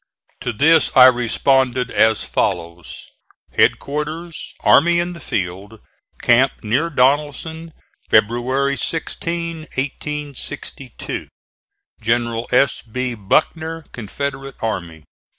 To this I responded as follows: HEADQUARTERS ARMY IN THE FIELD, Camp near Donelson, February 16, 1862. General S. B. BUCKNER, Confederate Army.